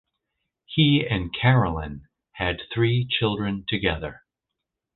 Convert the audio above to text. He and Carolyn had three children together.